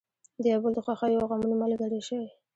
د یو بل د خوښیو او غمونو ملګري شئ.